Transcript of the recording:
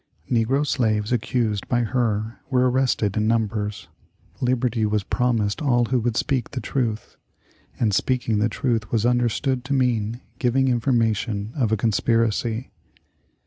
Negro slaves accused by her were arrested in numbers. Liberty was promised all who would speak the truth, and speaking the truth was understood to mean giving information of a conspiracy.